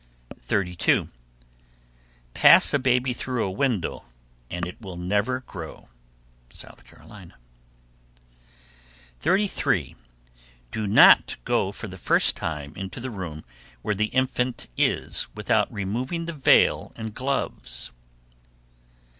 32. Pass a baby through a window and it will never grow. South Carolina. 33. Do not go for the first time into the room where the infant is without removing the veil and gloves.